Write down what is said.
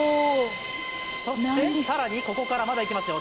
そして更にここからまだいきますよ